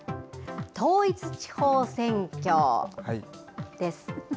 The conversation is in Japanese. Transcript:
統一地方選挙です。